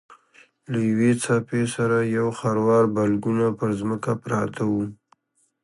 له یوې څپې سره یو خروار بلګونه پر ځمکه پراته وو.